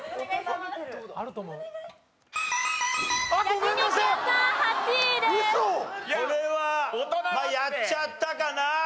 これはやっちゃったかな。